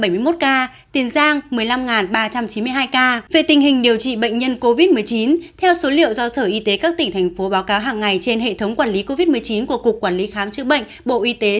về tình hình điều trị bệnh nhân covid một mươi chín theo số liệu do sở y tế các tỉnh thành phố báo cáo hàng ngày trên hệ thống quản lý covid một mươi chín của cục quản lý khám chữa bệnh bộ y tế